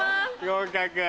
合格。